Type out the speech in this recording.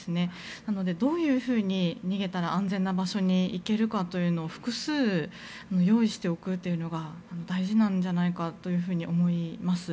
なので、どういうふうに逃げたら安全な場所に行けるかというのを複数用意しておくのが大事なんじゃないかと思います。